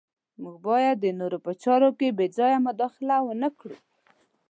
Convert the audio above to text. موږ باید د نورو په چارو کې بې ځایه مداخله ونه کړو.